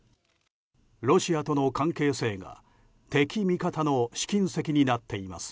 ロシアとの関係性が敵味方の試金石になっています。